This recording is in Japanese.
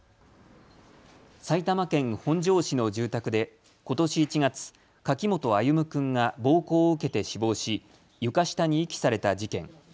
埼玉県本庄市の住宅でことし１月、柿本歩夢君が暴行を受けて死亡し床下に遺棄された事件。